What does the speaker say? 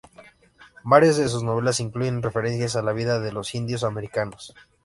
Varias de sus novelas incluyen referencias a la vida de los indios americanos.